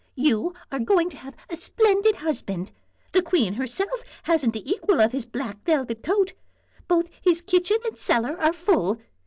You are going to have a splendid husband; the queen herself hasn't the equal of his black velvet coat; both his kitchen and his cellar are full.